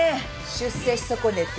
出世し損ねて。